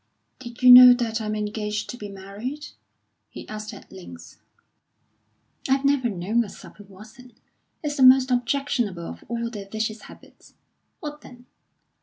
"Did you know that I am engaged to be married?" he asked at length. "I've never known a sub who wasn't. It's the most objectionable of all their vicious habits. What then?"